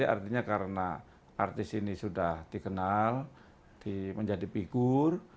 artinya karena artis ini sudah dikenal menjadi figur